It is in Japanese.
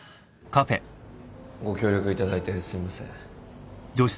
ご協力いただいてすみません。